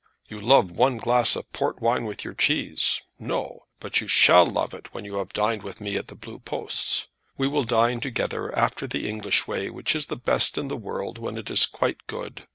You love one glass of port wine with your cheese. No. But you shall love it when you have dined with me at the Blue Posts. We will dine altogether after the English way; which is the best way in the world when it is quite good.